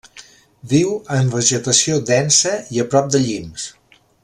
Viu en vegetació densa i a prop de llims.